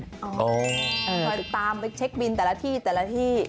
คอยตามไปเช็คบินแต่ละที่แต่ละที่